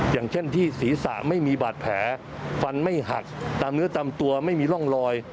อย่างเช่นที่ศีรษะไม่มีบาดแผลฟันไม่หักตามเนื้อตามตัวไม่มีร่องรอย